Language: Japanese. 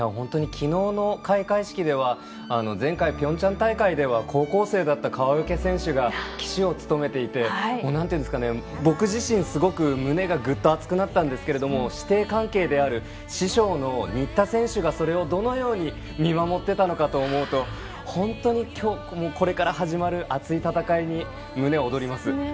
昨日の開会式では前回ピョンチャン大会では高校生だった川除選手が旗手を務めていて、僕自身すごく胸がぐっと熱くなったんですが師弟関係である師匠の新田選手が、それをどのように見守ってたのかと思うと本当にこれから始まる熱い戦いに胸躍ります。